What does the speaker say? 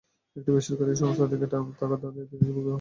একটি বেসরকারি সংস্থা থেকে টাকা ধার করে তিন যুবক হাঁসের খামার করেছিলেন।